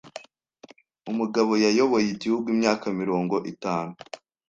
Umugabo yayoboye igihugu imyaka mirongo itanu.